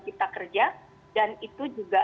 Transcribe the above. cipta kerja dan itu juga